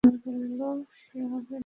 বুধো গাড়োয়ান বলল-সে হবে না ব্যাটারা।